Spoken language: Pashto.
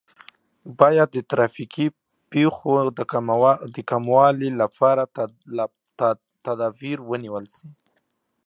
باید د ترافیکي پیښو د کموالي لپاره تدابیر ونیول سي.